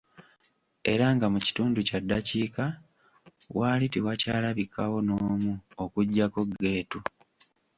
Era nga mu kitundu kya ddakiika waali tiwakyalabikawo n'omu okuggyako Geetu.